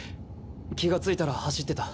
気が付いたら走ってた。